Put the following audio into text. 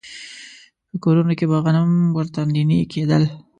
په کورونو کې به غنم ورته نينې کېدل.